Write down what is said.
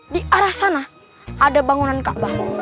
di arah sana ada bangunan kaabah